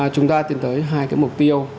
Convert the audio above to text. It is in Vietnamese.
chúng ta tiến tới hai cái mục tiêu